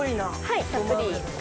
はいたっぷり。